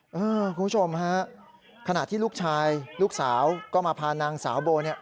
คุณผู้ชมฮะขณะที่ลูกชายลูกสาวก็มาพานางสาวโบเนี่ย